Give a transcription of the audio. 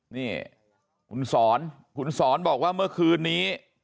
นี่คุณสอนคุณสอนบอกว่าเมื่อคืนนี้